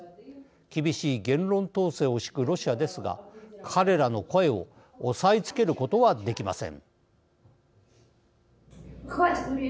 厳しい言論統制をしくロシアですが、彼らの声を抑えつけることはできません。